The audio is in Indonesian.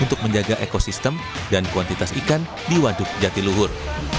dan juga menjaga ekosistem dan kuantitas ikan di waduk jatiluhur